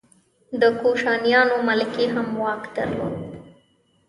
د کوشانیانو ملکې هم واک درلود